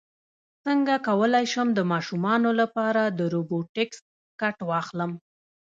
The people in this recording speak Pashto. څنګه کولی شم د ماشومانو لپاره د روبوټکس کټ واخلم